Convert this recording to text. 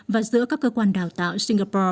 và giữa các cơ quan đào tạo singapore